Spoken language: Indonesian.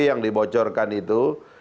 yang dibocorkan itu